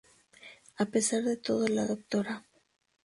A pesar de todo la Dra.